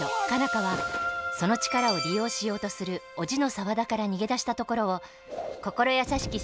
花はその力を利用しようとする叔父の沢田から逃げ出したところを心優しき